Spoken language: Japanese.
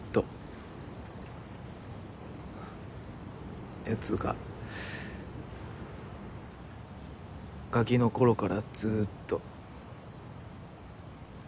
ふっいやつうかガキの頃からずっと。